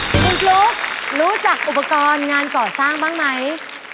คุณฟลุ๊กรู้จักอุปกรณ์งานก่อสร้างบ้างไหม